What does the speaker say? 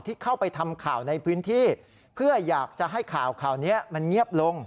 ที่เข้าไปทำข่าวในพื้นที่เพื่ออยากจะให้ข่าวข่าวนี้มันเงียบลง